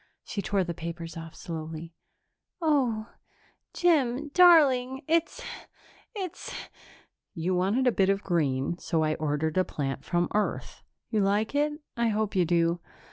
She tore the papers off slowly. "Oh, Jim, darling, it's it's " "You wanted a bit of green, so I ordered a plant from Earth. You like it? I hope you do."